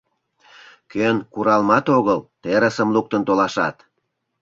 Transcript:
Кӧн куралмат огыл — терысым луктын толашат.